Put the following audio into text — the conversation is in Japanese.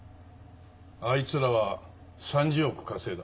あいつらは３０億稼いだ。